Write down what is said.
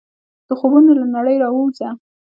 د خوبونو له نړۍ راووځه !